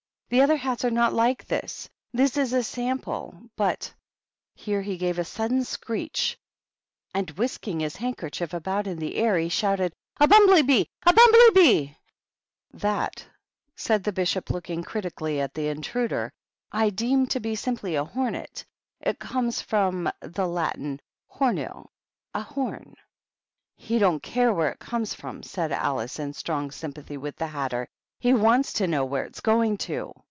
The other hats are not like this ; this is a sample. But " Here he gave a sudden screech, and, whisking THE BISHOPS. hie handkerchief about in the air, he shouted, "A bumbly bee! A bumbly bee !" "That," said the Bishop, looking critically at the intruder, " I deem to be simply a hornet. It comes from the Latin homu, a horn." "He don't care where it comes from," said Alice, in strong sympathy with the Hatter. " He wants to know where it's going to."